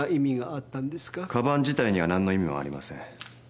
鞄自体にはなんの意味もありません。